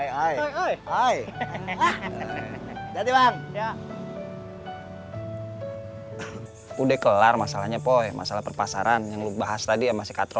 hai udah kelar masalahnya boy masalah perpasaran yang lu bahas tadi masih kata